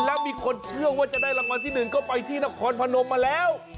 แล้วมีคนเชื่อว่าจะได้รางวัลที่๑ก็ไปที่นครพนมมาแล้ว